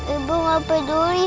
ibu gak peduli sama ibu